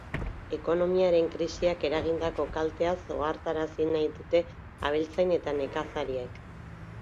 Ekonomiaren krisiak eragindako kalteaz ohartarazi nahi dute abeltzain eta nekazariek.